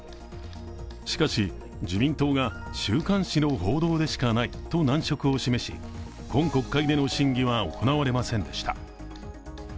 しかし、自民党が週刊誌の報道でしかないと難色を示し、今国会での審議は行われませんでした。